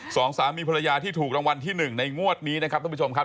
สองสามีภรรยาที่ถูกรางวัลที่หนึ่งในงวดนี้นะครับท่านผู้ชมครับ